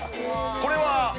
これは？